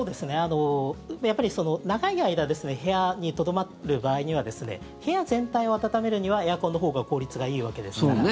やっぱり、長い間部屋にとどまる場合には部屋全体を暖めるにはエアコンのほうが効率がいいわけですから。